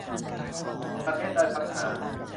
ประเทศด้อยพัฒนา